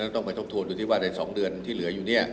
ต้องไปทบทวนดูที่ว่าใน๒เดือนที่เหลืออยู่เนี่ย